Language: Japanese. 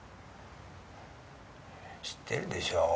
知ってるでしょう？